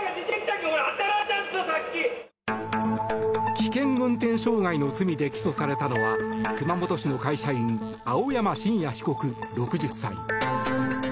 危険運転傷害の罪で起訴されたのは熊本市の会社員青山真也被告、６０歳。